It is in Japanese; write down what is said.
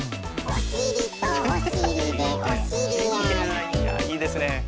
あいいですね。